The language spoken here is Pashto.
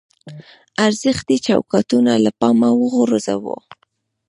ارزښتي چوکاټونه له پامه وغورځوو.